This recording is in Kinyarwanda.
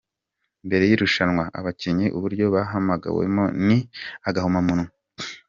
Mbere y’irushanwa abakinnyi uburyo bahamagawemo ni agahomamunwa.